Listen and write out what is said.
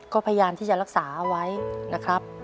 ก็พยายามที่จะรักษาเอาไว้นะครับ